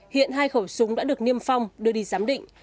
hiện hai khẩu súng đã được niêm phong đưa đi giám định